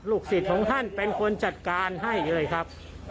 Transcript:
สิทธิ์ของท่านเป็นคนจัดการให้เลยครับ